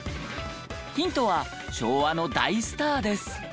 ヒントは昭和の大スターです。